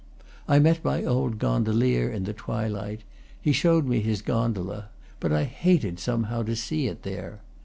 I met my old gondolier in the twilight. He showed me his gondola; but I hated, somehow, to see it there.